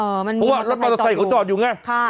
มันมีมอเตอร์ไซค์จอดอยู่เพราะว่ามอเตอร์ไซค์ของจอดอยู่ไงค่ะ